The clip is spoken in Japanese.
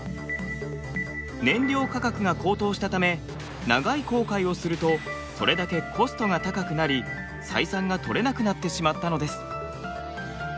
燃料価格が高騰したため長い航海をするとそれだけコストが高くなり採算が取れなくなってしまったのです。